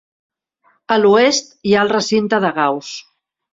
A l'oest hi ha el recinte de Gauss.